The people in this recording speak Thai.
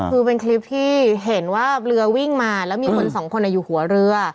คือเป็นคลิปที่เห็นว่าเรือวิ่งมาแล้วมีคนสองคนอยู่หัวเรือ